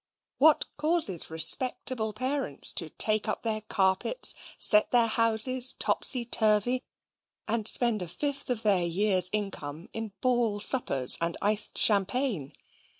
What causes respectable parents to take up their carpets, set their houses topsy turvy, and spend a fifth of their year's income in ball suppers and iced champagne?